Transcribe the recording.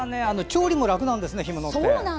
調理も楽なんですね、干物って。